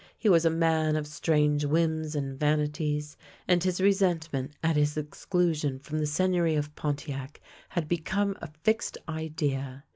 He was a man of strange whims and vanities, and his resentment at his exclusion from the Seigneury of Pontiac had become a fixed idea.